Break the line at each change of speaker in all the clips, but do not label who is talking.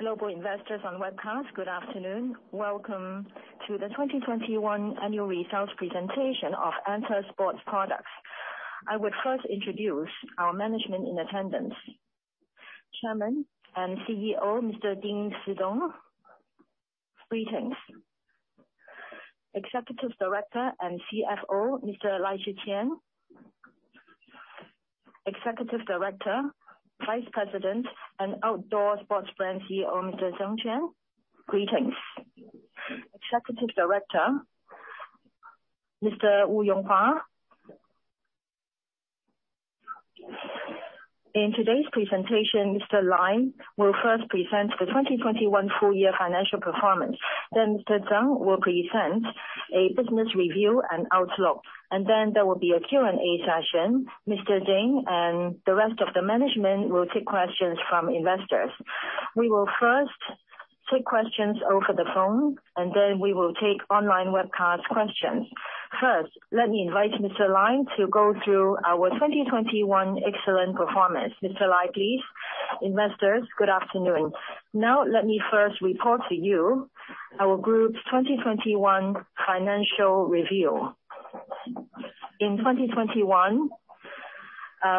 Global investors on webcast, good afternoon. Welcome to the 2021 annual results presentation of ANTA Sports Products. I would first introduce our management in attendance. Chairman and CEO, Mr. Ding Shizhong. Greetings. Executive Director and CFO, Mr. Lai Shixian. Executive Director, Vice President and Outdoor Sports Brand CEO, Mr. Zheng Jie. Greetings. Executive Director, Mr. Wu Yonghua. In today's presentation, Mr. Lai will first present the 2021 full year financial performance. Mr. Zheng will present a business review and outlook. There will be a Q&A session. Mr. Ding and the rest of the management will take questions from investors. We will first take questions over the phone, and then we will take online webcast questions. First, let me invite Mr. Lai to go through our 2021 excellent performance. Mr. Lai, please.
Investors, good afternoon. Now let me first report to you our group's 2021 financial review. In 2021,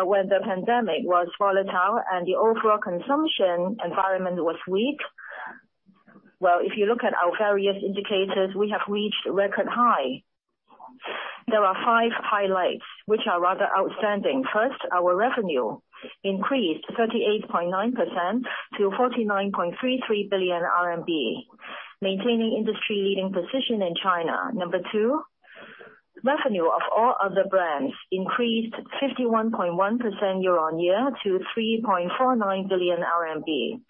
when the pandemic was volatile and the overall consumption environment was weak, well, if you look at our various indicators, we have reached record high. There are five highlights which are rather outstanding. First, our revenue increased 38.9% to 49.33 billion RMB, maintaining industry-leading position in China. Number two, revenue of all other brands increased 51.1% year-on-year to 3.49 billion RMB.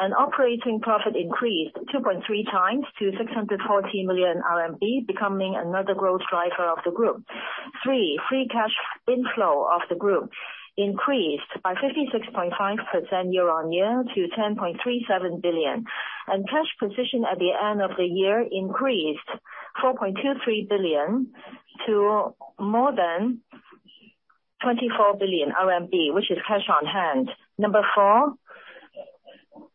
Operating profit increased 2.3 times to 640 million RMB, becoming another growth driver of the group. Three, free cash inflow of the group increased by 56.5% year-on-year to 10.37 billion. Cash position at the end of the year increased 4.23 billion to more than 24 billion RMB, which is cash on hand. Number four,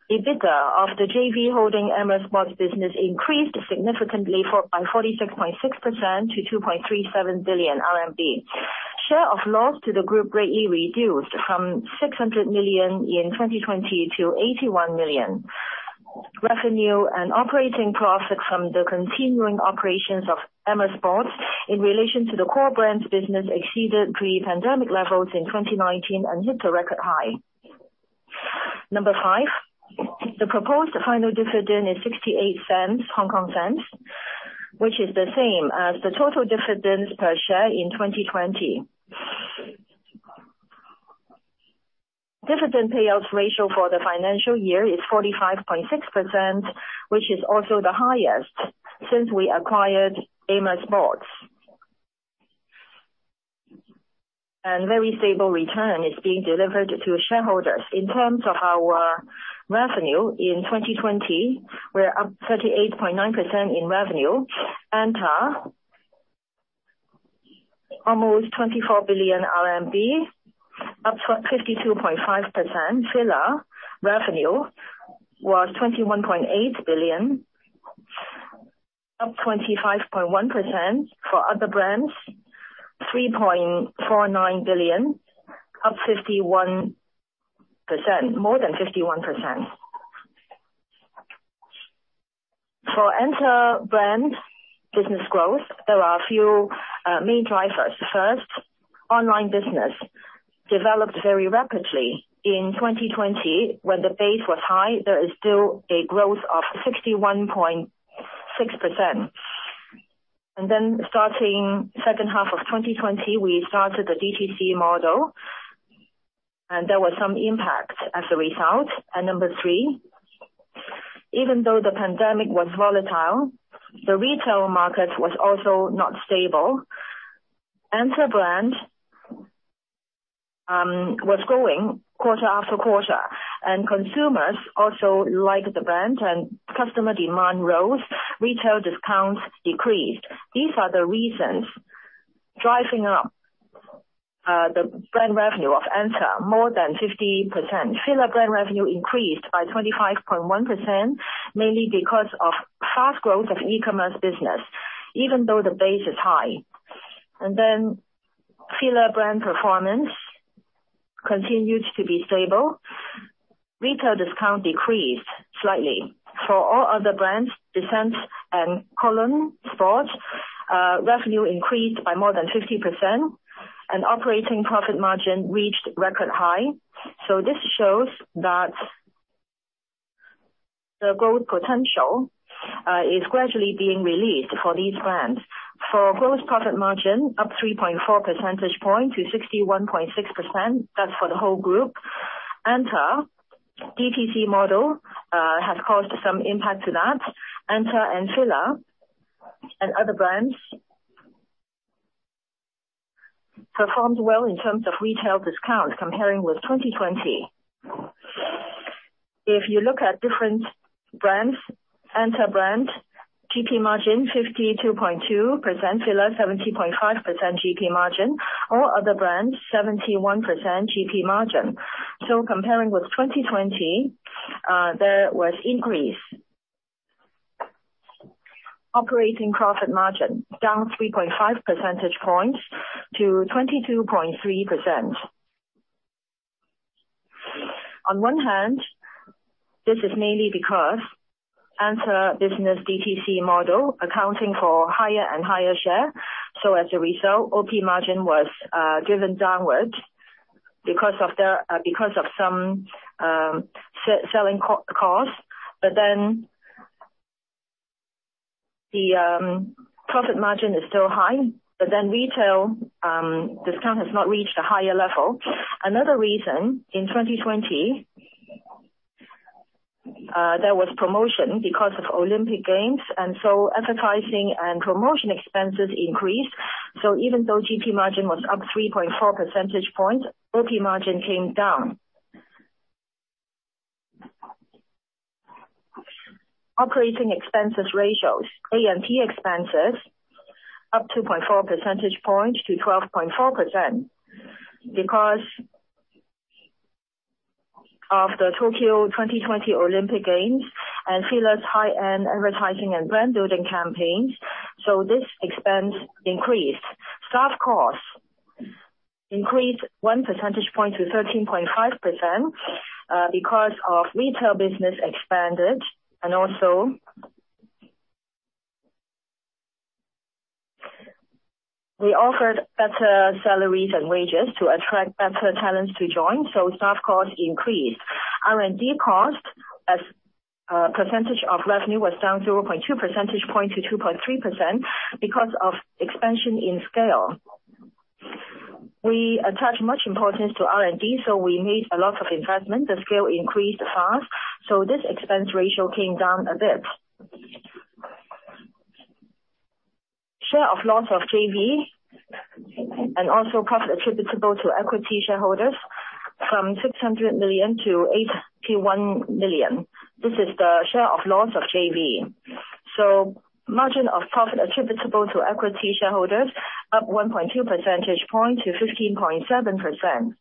EBITDA of the JV holding Amer Sports business increased significantly by 46.6% to 2.37 billion RMB. Share of loss to the group greatly reduced from 600 million in 2020 to 81 million. Revenue and operating profit from the continuing operations of Amer Sports in relation to the core brands business exceeded pre-pandemic levels in 2019 and hit a record high. Number five, the proposed final dividend is 0.68, which is the same as the total dividends per share in 2020. Dividend payouts ratio for the financial year is 45.6%, which is also the highest since we acquired Amer Sports. Very stable return is being delivered to shareholders. In terms of our revenue in 2020, we're up 38.9% in revenue. ANTA almost CNY 24 billion, up 52.5%. FILA revenue was 21.8 billion, up 25.1%. For other brands, 3.49 billion, up 51% more than 51%. For ANTA brand business growth, there are a few main drivers. First, online business developed very rapidly. In 2020, when the base was high, there is still a growth of 61.6%. Then starting H2 of 2020, we started the DTC model, and there was some impact as a result. Number three, even though the pandemic was volatile, the retail market was also not stable. ANTA brand was growing quarter after quarter, and consumers also liked the brand and customer demand rose, retail discounts decreased. These are the reasons driving up the brand revenue of ANTA more than 50%. FILA brand revenue increased by 25.1%, mainly because of fast growth of e-commerce business, even though the base is high. FILA brand performance continued to be stable. Retail discounts decreased slightly. For all other brands, DESCENTE and KOLON SPORT, revenue increased by more than 50%, and Operating Profit margin reached record high. This shows that the growth potential is gradually being released for these brands. For Gross Profit margin, up 3.4 percentage point to 61.6%. That's for the whole group. ANTA DTC model has caused some impact to that. ANTA and FILA and other brands performed well in terms of retail discount comparing with 2020. If you look at different brands, ANTA brand GP margin 52.2%. FILA 70.5% GP margin. All other brands, 71% GP margin. Comparing with 2020, there was increase. Operating profit margin down 3.5 percentage points to 22.3%. On one hand, this is mainly because ANTA business DTC model accounting for higher and higher share. As a result, OP margin was driven downwards because of some selling cost. The profit margin is still high, but retail discount has not reached a higher level. Another reason, in 2020, there was promotion because of Olympic Games, advertising and promotion expenses increased. Even though GP margin was up 3.4 percentage points, OP margin came down. Operating expenses ratios. A&P expenses up 2.4 percentage points to 12.4% because of the Tokyo 2020 Olympic Games and FILA's high-end advertising and brand building campaigns. This expense increased. Staff costs increased 1 percentage point to 13.5%, because of retail business expanded, and also we offered better salaries and wages to attract better talents to join, so staff costs increased. R&D cost as a percentage of revenue was down 0.2 percentage point to 2.3% because of expansion in scale. We attach much importance to R&D, so we made a lot of investment. The scale increased fast, so this expense ratio came down a bit. Share of loss of JV and also cost attributable to equity shareholders from 600 million to 81 million. This is the share of loss of JV. Margin of profit attributable to equity shareholders up 1.2 percentage points to 15.7%.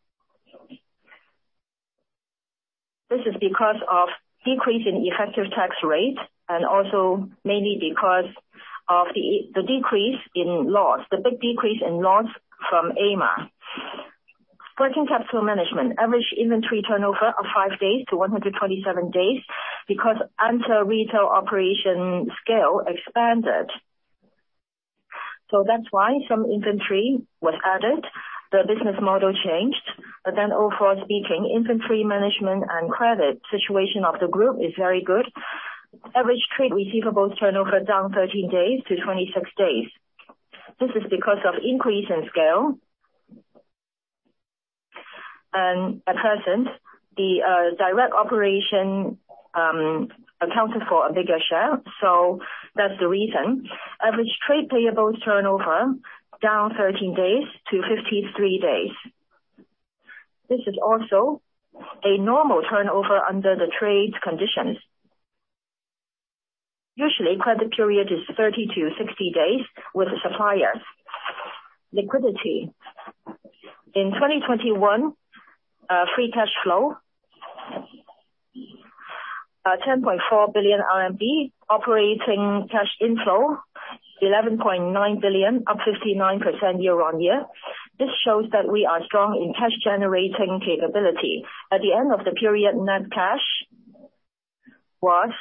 This is because of decrease in effective tax rate and also mainly because of the decrease in loss, the big decrease in loss from Amer. Working capital management. Average inventory turnover of five days to 127 days because ANTA Retail operation scale expanded. That's why some inventory was added. The business model changed. Overall speaking, inventory management and credit situation of the group is very good. Average trade receivables turnover down 13 days to 26 days. This is because of increase in scale. At present, the direct operation accounted for a bigger share. That's the reason. Average trade payables turnover down 13 days to 53 days. This is also a normal turnover under the trade conditions. Usually, credit period is 30-60 days with the suppliers. Liquidity. In 2021, free cash flow 10.4 billion RMB. Operating cash inflow 11.9 billion, up 59% year-on-year. This shows that we are strong in cash generating capability. At the end of the period, net cash was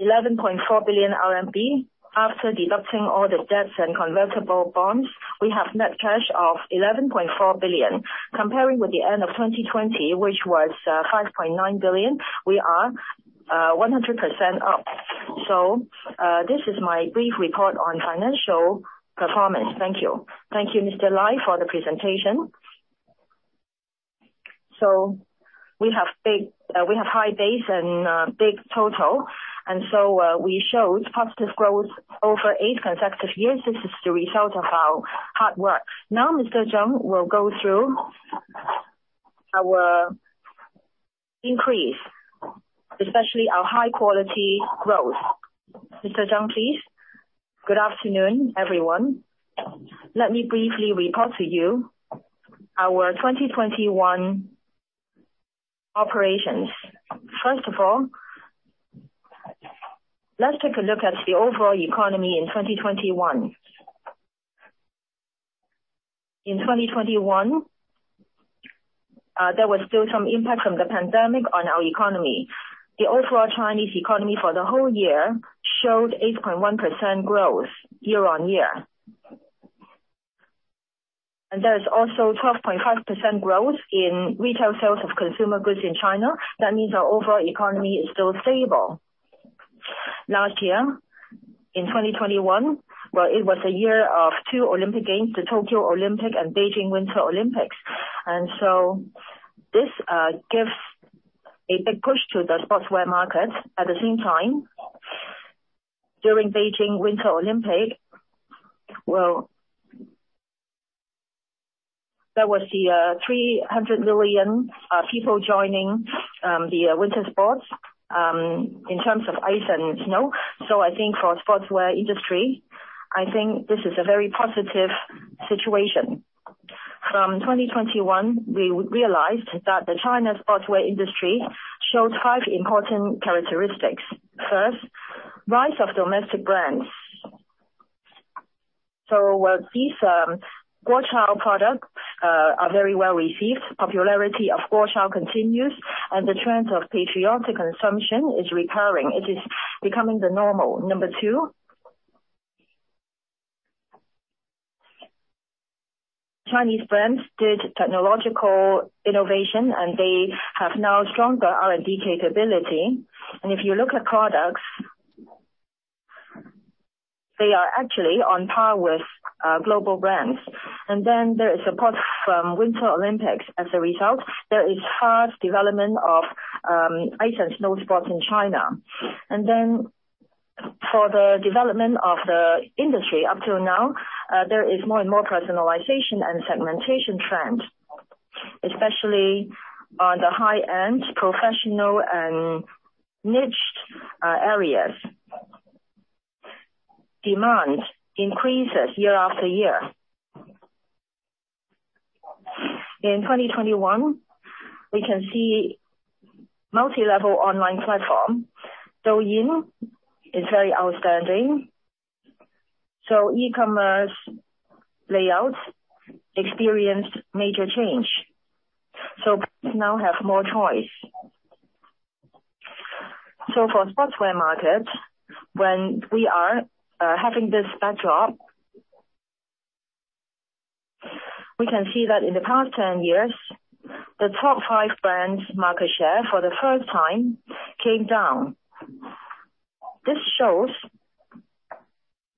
11.4 billion RMB. After deducting all the debts and convertible bonds, we have net cash of 11.4 billion. Comparing with the end of 2020, which was 5.9 billion, we are 100% up. This is my brief report on financial performance. Thank you.
Thank you, Mr. Lai, for the presentation. We have high base and big total, and so we showed positive growth over eight consecutive years. This is the result of our hard work. Now Mr. Zheng will go through our increase, especially our high quality growth. Mr. Zheng, please.
Good afternoon, everyone. Let me briefly report to you our 2021 operations. First of all, let's take a look at the overall economy in 2021. In 2021, there was still some impact from the pandemic on our economy. The overall Chinese economy for the whole year showed 8.1% growth year-on-year. There is also 12.5% growth in retail sales of consumer goods in China. That means our overall economy is still stable. Last year, in 2021, it was a year of two Olympic Games, the Tokyo Olympics and Beijing Winter Olympics. This gives a big push to the sportswear market. At the same time, during Beijing Winter Olympics, there was 300 million people joining the winter sports in terms of ice and snow. I think for sportswear industry, this is a very positive situation. From 2021, we realized that the Chinese sportswear industry showed five important characteristics. First, rise of domestic brands. These Guochao products are very well received. Popularity of Guochao continues, and the trend of patriotic consumption is recurring. It is becoming the normal. Number two. Chinese brands did technological innovation, and they have now stronger R&D capability. If you look at products, they are actually on par with global brands. Then there is support from Winter Olympics as a result. There is fast development of ice and snow sports in China. For the development of the industry up till now, there is more and more personalization and segmentation trends, especially on the high-end, professional and niched areas. Demand increases year after year. In 2021, we can see multi-level online platform. Douyin is very outstanding, so e-commerce layouts experienced major change. Now have more choice. For sportswear market, when we are having this backdrop, we can see that in the past ten years, the top five brands market share, for the first time, came down. This shows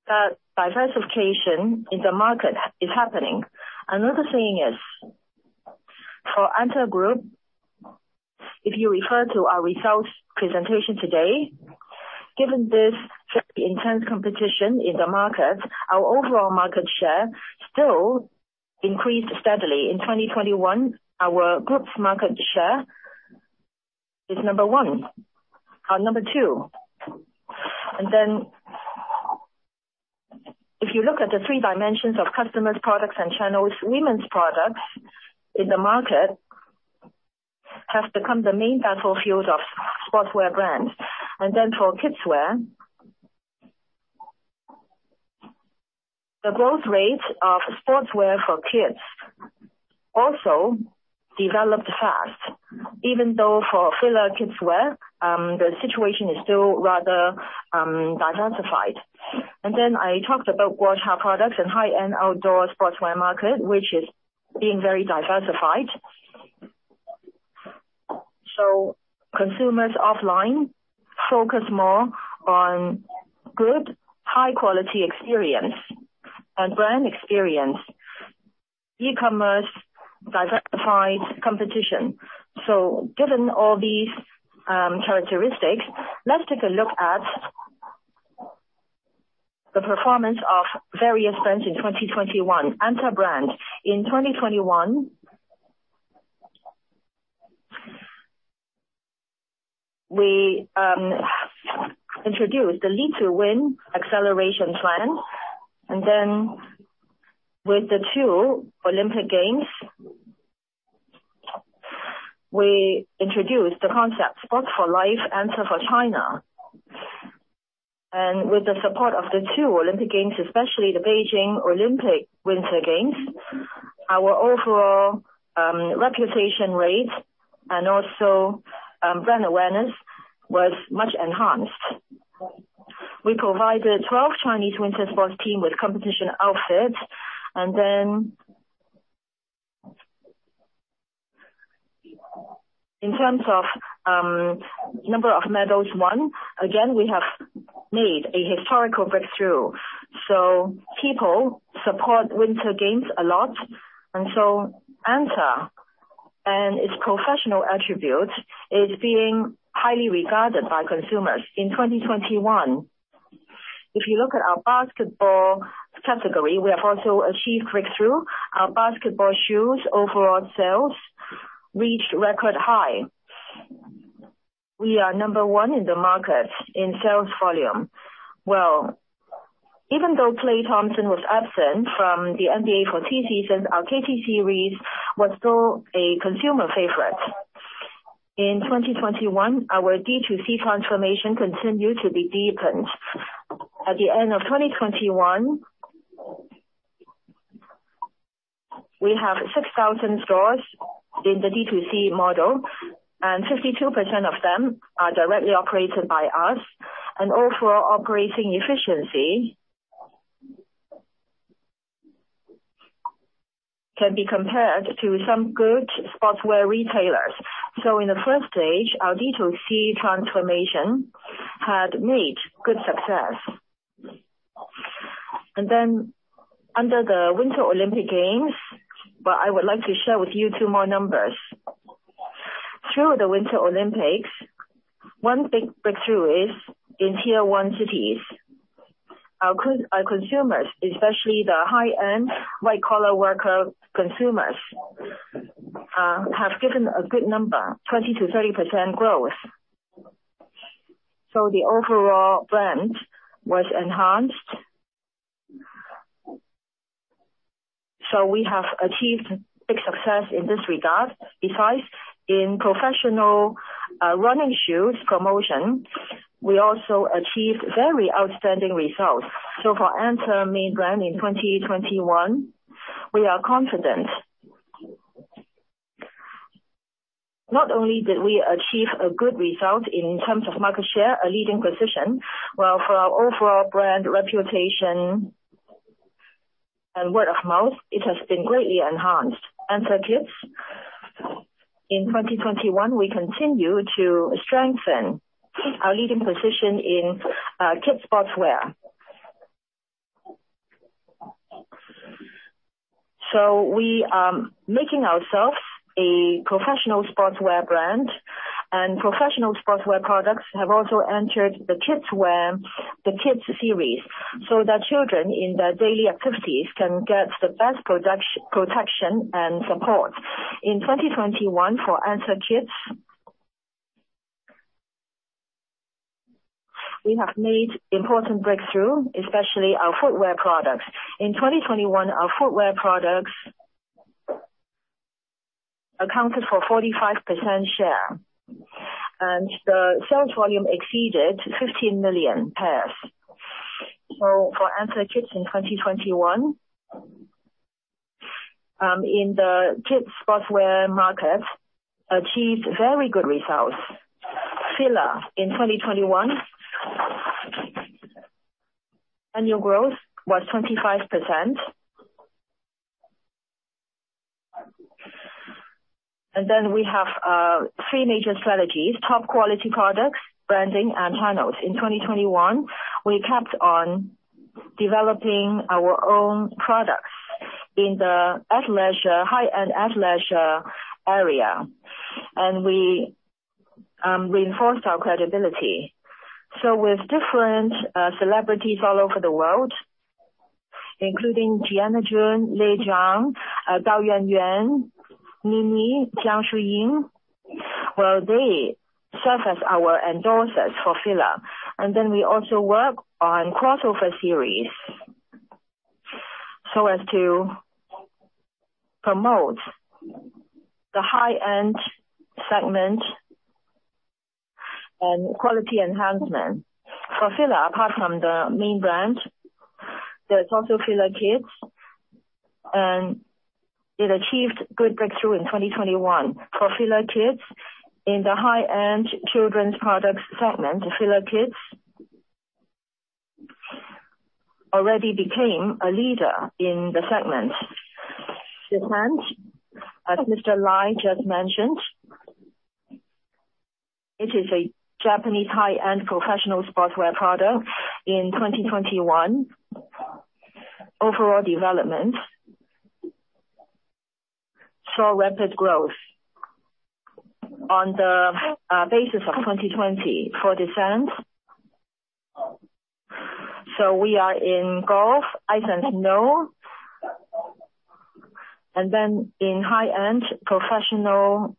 that diversification in the market is happening. Another thing is, for ANTA Group, if you refer to our results presentation today, given this intense competition in the market, our overall market share still increased steadily. In 2021, our group's market share is number one. Number 2. If you look at the three dimensions of customers, products, and channels, women's products in the market have become the main battlefield of sportswear brands. For kidswear, the growth rate of sportswear for kids also developed fast. Even though for FILA kidswear, the situation is still rather diversified. I talked about Guochao products and high-end outdoor sportswear market, which is being very diversified. Consumers offline focus more on good, high quality experience and brand experience, e-commerce, diversified competition. Given all these characteristics, let's take a look at the performance of various brands in 2021. ANTA brand. In 2021, we introduced the Lead to Win acceleration plan. With the two Olympic Games, we introduced the concept Sports for Life, ANTA for China. With the support of the two Olympic Games, especially the Beijing Olympic Winter Games, our overall, reputation rate and also, brand awareness was much enhanced. We provided 12 Chinese winter sports team with competition outfits. In terms of, number of medals won, again, we have made a historical breakthrough, so people support Winter Games a lot. ANTA and its professional attribute is being highly regarded by consumers. In 2021, if you look at our basketball category, we have also achieved breakthrough. Our basketball shoes overall sales reached record high. We are number one in the market in sales volume. Well, even though Klay Thompson was absent from the NBA for three seasons, our KT series was still a consumer favorite. In 2021, our D2C transformation continued to be deepened. At the end of 2021, we have 6,000 stores in the D2C model, and 52% of them are directly operated by us. Overall operating efficiency can be compared to some good sportswear retailers. In the first stage, our D2C transformation had made good success. Under the Winter Olympic Games, what I would like to share with you two more numbers. Through the Winter Olympics, one big breakthrough is in tier one cities. Our consumers, especially the high-end, white collar worker consumers, have given a good number, 20%-30% growth. The overall brand was enhanced. We have achieved big success in this regard. Besides, in professional, running shoes promotion, we also achieved very outstanding results. For ANTA main brand in 2021, we are confident. Not only did we achieve a good result in terms of market share, a leading position, but for our overall brand reputation and word-of-mouth, it has been greatly enhanced. ANTA KIDS. In 2021, we continue to strengthen our leading position in kids' sportswear. We are making ourselves a professional sportswear brand, and professional sportswear products have also entered the kids wear, the kids series, so that children in their daily activities can get the best protection and support. In 2021 for ANTA KIDS, we have made important breakthrough, especially our footwear products. In 2021, our footwear products accounted for 45% share, and the sales volume exceeded 15 million pairs. For ANTA KIDS in 2021, we achieved very good results in the kids' sportswear market. FILA. In 2021, annual growth was 25%. We have three major strategies, top quality products, branding, and channels. In 2021, we kept on developing our own products in the athleisure, high-end athleisure area, and we reinforced our credibility. With different celebrities all over the world, including Gianna Jun, Lay Zhang, Gao Yuanyuan, Ni Ni, Jiang Shuying. They serve as our endorsers for FILA. We also work on crossover series so as to promote the high-end segment and quality enhancement. For FILA, apart from the main brand, there's also FILA Kids, and it achieved good breakthrough in 2021. For FILA Kids, in the high-end children's products segment, FILA Kids already became a leader in the segment. DESCENTE. As Mr. Lai just mentioned, it is a Japanese high-end professional sportswear product. In 2021, overall development saw rapid growth on the basis of 2020 for DESCENTE. We are in golf, ice and snow. In high-end professional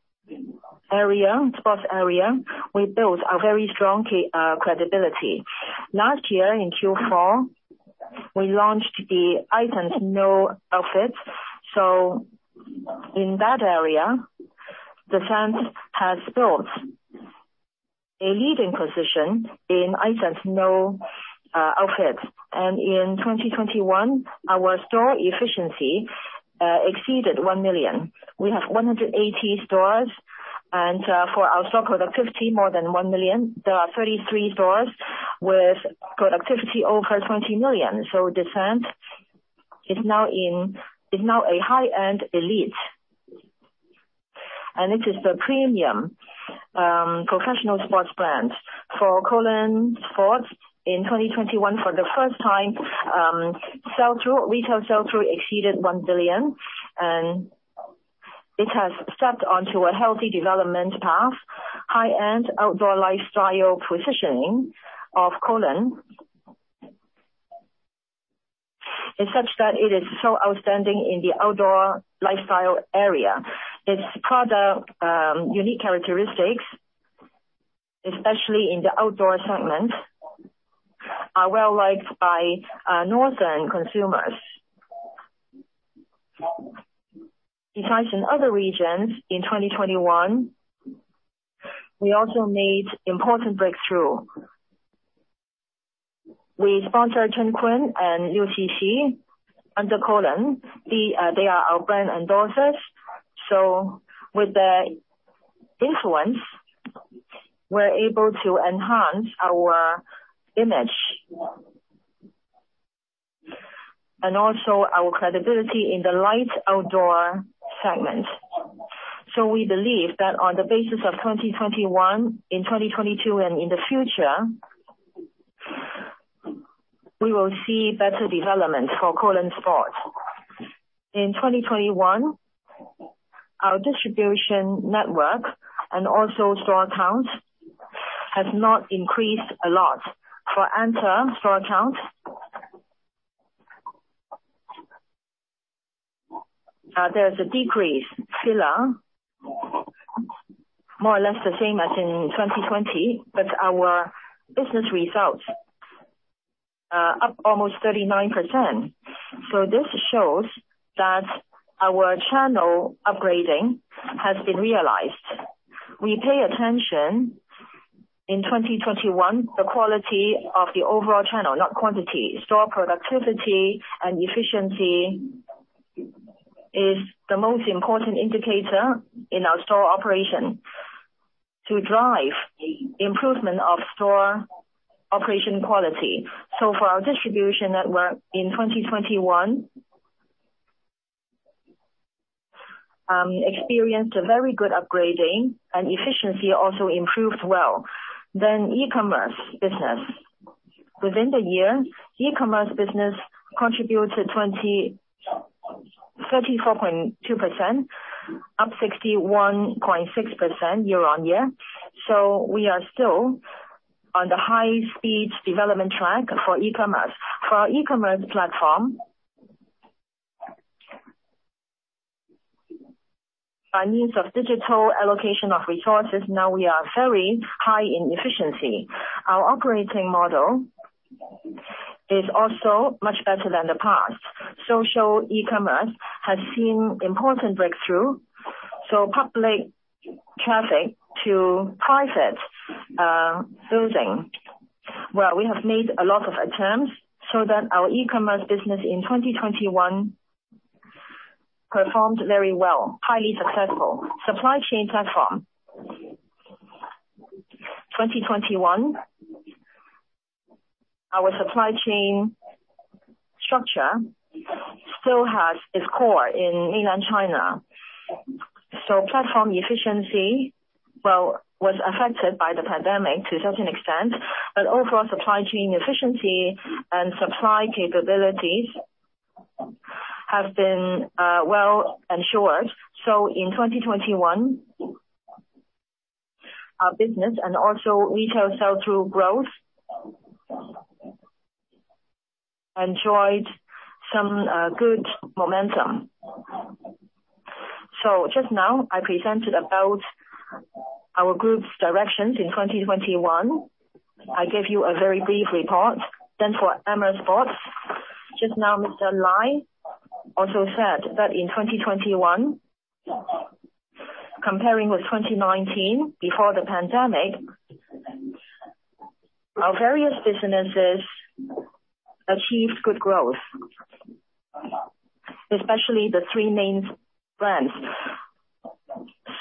area, sports area, we built a very strong credibility. Last year in Q4, we launched the ice and snow outfits. In that area, DESCENTE has built a leading position in ice and snow outfit. In 2021, our store efficiency exceeded 1 million. We have 180 stores, and for our store productivity, more than 1 million. There are 33 stores with productivity over 20 million. DESCENTE is now a high-end elite, and it is the premium professional sports brand. For KOLON SPORT in 2021, for the first time, sell-through, retail sell-through exceeded 1 billion, and it has stepped onto a healthy development path. High-end outdoor lifestyle positioning of KOLON is such that it is so outstanding in the outdoor lifestyle area. Its product unique characteristics, especially in the outdoor segment, are well-liked by northern consumers. Besides in other regions, in 2021, we also made important breakthrough. We sponsored Chen Kun and Liu Shishi under KOLON. They are our brand endorsers. With their influence, we're able to enhance our image also our credibility in the light outdoor segment. We believe that on the basis of 2021, in 2022 and in the future we will see better development for KOLON SPORT. In 2021, our distribution network and also store accounts has not increased a lot. For ANTA store accounts, there's a decrease. FILA, more or less the same as in 2020, but our business results up almost 39%. This shows that our channel upgrading has been realized. We pay attention, in 2021, the quality of the overall channel, not quantity. Store productivity and efficiency is the most important indicator in our store operation to drive improvement of store operation quality. For our distribution network in 2021, experienced a very good upgrading and efficiency also improved well. E-commerce business. Within the year, e-commerce business contributed 34.2%, up 61.6% year-on-year. We are still on the high-speed development track for e-commerce. For our e-commerce platform, by means of digital allocation of resources, now we are very high in efficiency. Our operating model is also much better than the past. Social e-commerce has seen important breakthrough, public traffic to private closing. We have made a lot of attempts so that our e-commerce business in 2021 performed very well, highly successful. Supply chain platform. In 2021, our supply chain structure still has its core in mainland China. Platform efficiency was affected by the pandemic to a certain extent, but overall supply chain efficiency and supply capabilities have been ensured. In 2021, our business and also retail sell-through growth enjoyed some good momentum. Just now, I presented about our group's directions in 2021. I gave you a very brief report. For Amer Sports, just now, Mr. Lai also said that in 2021, comparing with 2019, before the pandemic, our various businesses achieved good growth, especially the three main brands,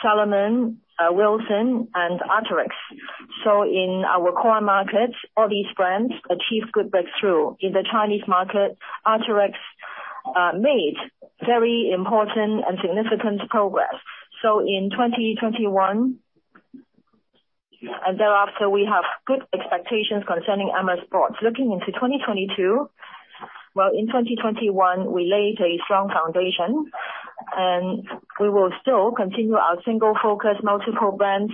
Salomon, Wilson, and Arc'teryx. In our core markets, all these brands achieved good breakthrough. In the Chinese market, Arc'teryx made very important and significant progress. In 2021, and thereafter, we have good expectations concerning Amer Sports. Looking into 2022, well, in 2021, we laid a strong foundation, and we will still continue our single-focus, multiple brands,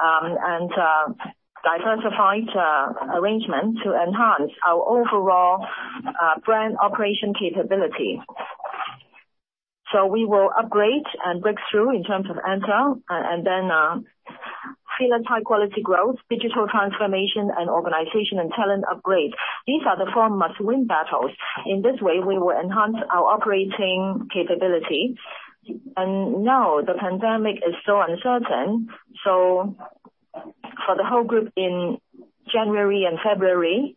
and diversified arrangement to enhance our overall brand operation capability. We will upgrade and break through in terms of ANTA, and then FILA high-quality growth, digital transformation, and organization and talent upgrade. These are the four must-win battles. In this way, we will enhance our operating capability. Now, the pandemic is still uncertain. For the whole group in January and February,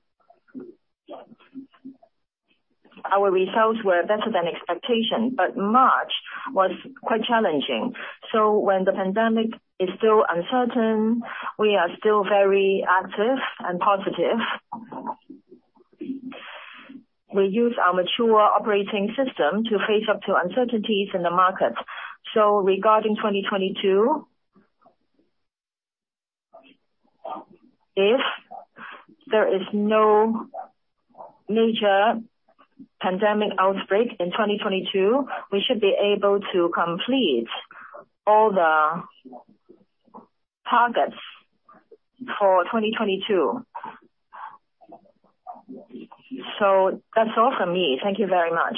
our results were better than expectation, but March was quite challenging. When the pandemic is still uncertain, we are still very active and positive. We use our mature operating system to face up to uncertainties in the market. Regarding 2022, if there is no major pandemic outbreak in 2022, we should be able to complete all the targets for 2022. That's all from me. Thank you very much.